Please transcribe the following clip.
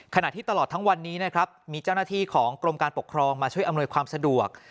ขณะที่ตลอดทั้งวันนี้นะครับมีเจ้าหน้าที่ของกรมการปกครองมาช่วยอำนวยความสะดวก